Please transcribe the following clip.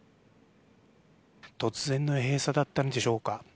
突然の閉鎖だったんでしょうか。